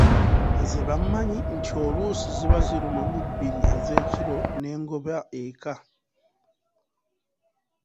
Nze bammanyi nti oluusi ziba ziruma mu bbiri ez’ekiro ne ngoba eka.